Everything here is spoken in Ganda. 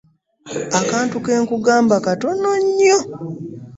Akantu ke nkugamba katono nnyo.